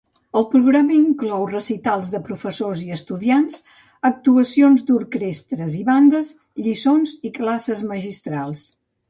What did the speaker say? El programa inclou recitals de professors i estudiants, actuacions d'orquestres i bandes, lliçons i classes magistrals.